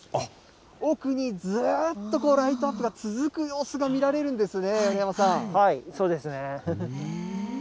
奥にずらっとライトアップが続く様子が見られるんですね。